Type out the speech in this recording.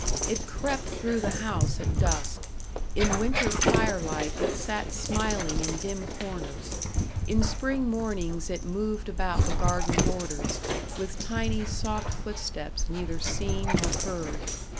It crept through the house at dusk; in winter fire light it sat smiling in dim corners; in spring mornings it moved about the garden borders, with tiny soft footsteps neither seen nor heard.